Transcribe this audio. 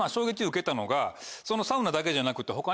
受けたのがそのサウナだけじゃなくて。